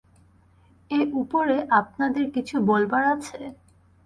এর উপরে আপনাদের কিছু বলবার আছে?